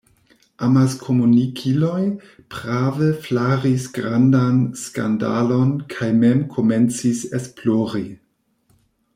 Amaskomunikiloj prave flaris grandan skandalon kaj mem komencis esplori.